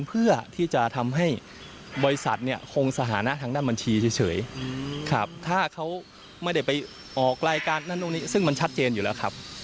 เพื่อที่จะทำให้บริษัทเนี่ยคงสถานะทางด้านบัญชีเฉยถ้าเขาไม่ได้ไปออกรายการนั่นตรงนี้ซึ่งมันชัดเจนอยู่แล้วครับ